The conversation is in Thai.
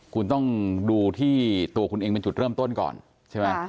คุณต้องดูที่ตัวคุณเองเป็นจุดเริ่มต้นก่อนใช่ไหม